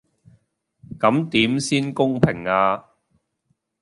咁點先公平呀?